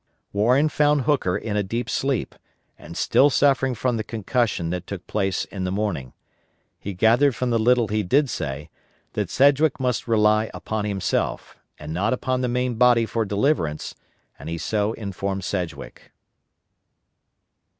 Warren found Hooker in a deep sleep, and still suffering from the concussion that took place in the morning. He gathered from the little he did say, that Sedgwick must rely upon himself, and not upon the main body for deliverance, and he so informed Sedgwick.